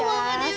kamu harus tenang